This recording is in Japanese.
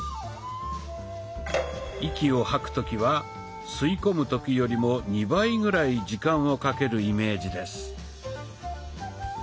息を吐く時は吸い込む時よりも２倍ぐらい時間をかけるイメージです。